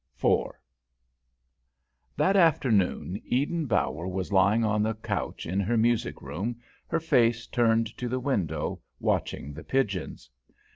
IV That afternoon Eden Bower was lying on the couch in her music room, her face turned to the window, watching the pigeons.